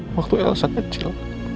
waktu elsa kecil